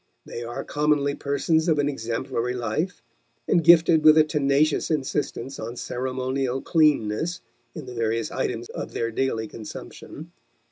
They are commonly persons of an exemplary life and gifted with a tenacious insistence on ceremonial cleanness in the various items of their daily consumption.